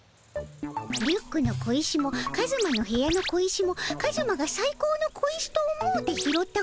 リュックの小石もカズマの部屋の小石もカズマがさい高の小石と思うて拾った小石であろ？